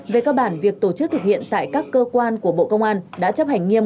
về cơ bản việc tổ chức thực hiện tại các cơ quan của bộ công an đã chấp hành nghiêm